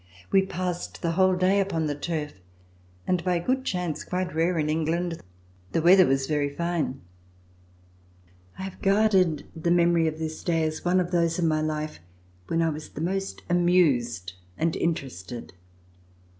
We passed the whole day upon the turf and by a good chance, quite rare in England, the weather was very fine. I have guarded the memor}^ of this day as one of those in my life when I was the most amused and interested.